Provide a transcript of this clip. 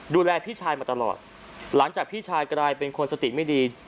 ดูแลพี่ชายมาตลอดหลังจากพี่ชายกลายเป็นคนสติไม่ดี